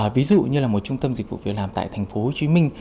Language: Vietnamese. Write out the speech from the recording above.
ví dụ như là một trung tâm dịch vụ việc làm tại thành phố hồ chí minh